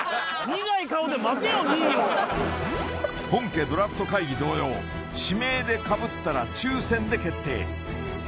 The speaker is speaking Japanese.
苦い顔で待てよ２位を本家ドラフト会議同様指名でかぶったら抽選で決定